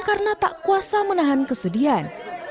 karena tak kuasa menahan kesedihan